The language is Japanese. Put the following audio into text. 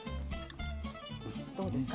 どうですか？